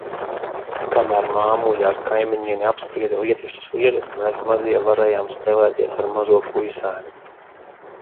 Kamēr māmuļa ar kaimiņieni apsprieda lietišķas lietas, mēs mazie varējām spēlēties ar mazo puisēnu.